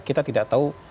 kita tidak tahu